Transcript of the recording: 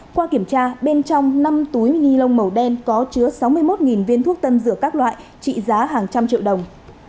qua kiểm tra bên trong năm túi ni lông màu đen có chứa sáu mươi một viên thuốc tân dược các loại trị giá hàng trăm triệu đồng